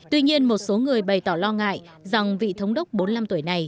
tuy nhiên một số người bày tỏ lo ngại rằng vị thống đốc bốn mươi năm tuổi này